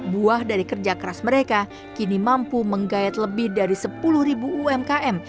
buah dari kerja keras mereka kini mampu menggayat lebih dari sepuluh ribu umkm